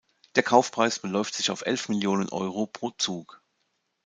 Der Kaufpreis beläuft sich auf elf Millionen Euro pro Zug.